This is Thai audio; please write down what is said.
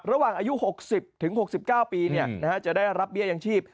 ระหว่างอายุ๖๐ถึง๖๙ปีจะได้รับบียะยังชีพ